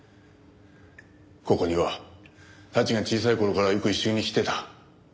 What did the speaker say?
ここには早智が小さい頃からよく一緒に来ていた。